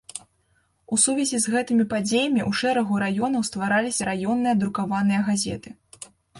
У сувязі з гэтымі падзеямі ў шэрагу раёнаў ствараліся раённыя друкаваныя газеты.